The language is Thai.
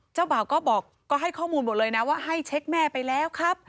เจ้าบ่าวก็บอกก็ให้ข้อมูลหมดเลยนะว่าให้เช็คแม่ไปแล้วครับ